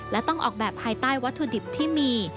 และต้องออกแบบภายใต้วัตถุดิบที่มี